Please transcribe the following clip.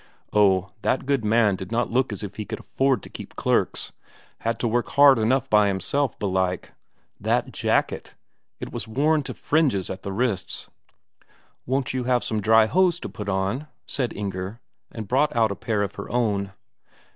Oh, that good man did not look as if he could afford to keep clerks; had to work hard enough by himself, belike. That jacket it was worn to fringes at the wrists. "Won't you have some dry hose to put on?" said Inger, and brought out a pair of her own.